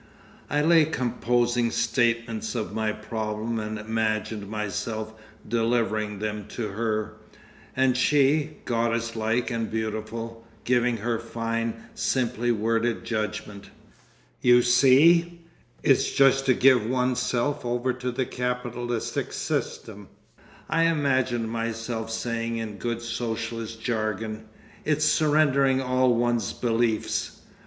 I lay composing statements of my problem and imagined myself delivering them to her—and she, goddess like and beautiful; giving her fine, simply worded judgment. "You see, it's just to give one's self over to the Capitalistic System," I imagined myself saying in good Socialist jargon; "it's surrendering all one's beliefs.